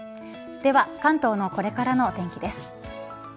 では、関東のこれからのお天気です。